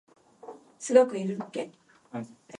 釣り手を取ろうとしますが防ぎますレシキ。